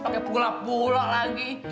pakai bula bula lagi